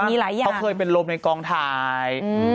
มีหลายอย่างเขาเคยเป็นลมในกองถ่าย